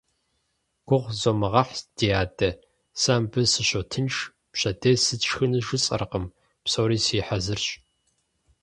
Гугъу зумыгъэхь, ди адэ, сэ мыбы сыщотынш, пщэдей сыт сшхыну жысӀэркъым, псори си хьэзырщ.